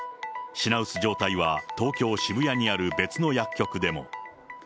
品薄状態は、東京・渋谷にある別の薬局でも。